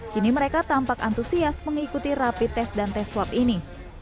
kini mereka tampak antusias mengikuti rapi tes dan tes swab ini